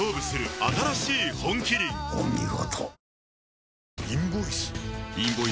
お見事。